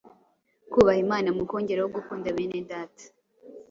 kubaha Imana mukongereho gukunda bene Data,